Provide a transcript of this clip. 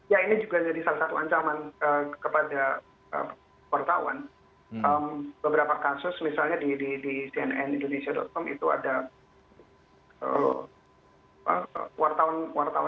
ya ini juga jadi salah satu ancaman kepada wartawan